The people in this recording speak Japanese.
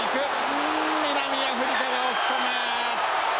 うん南アフリカが押し込む！